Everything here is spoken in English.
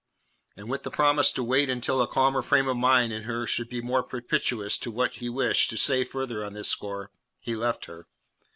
And with the promise to wait until a calmer frame of mind in her should be more propitious to what he wished to say further on this score, he left her.